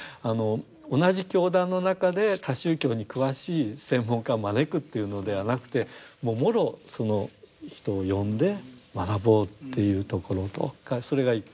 同じ教団の中で他宗教に詳しい専門家を招くというのではなくてもろその人を呼んで学ぼうというところそれが一点ですね。